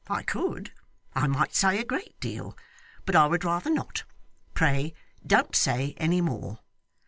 I could. I might say a great deal. But I would rather not. Pray don't say any more.